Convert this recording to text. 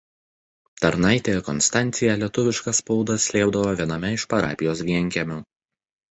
Tarnaitė Konstancija lietuvišką spaudą slėpdavo viename iš parapijos vienkiemių.